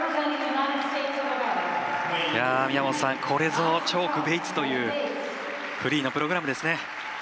これぞチョーク、ベイツというフリーのプログラムですね。